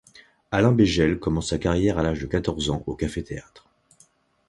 Alain Beigel commence sa carrière à l'âge de quatorze ans au café-théâtre.